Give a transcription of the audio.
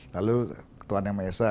lalu ketua anak anak mesa